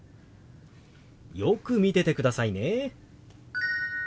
よく見ててくださいね。